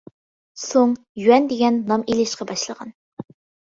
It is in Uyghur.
سۇڭ، يۈەن دېگەن نام ئېلىشقا باشلىغان.